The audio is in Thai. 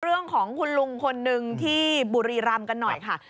เรื่องของคุณลุงคนหนึ่งที่บุรีรำกันหน่อยค่ะ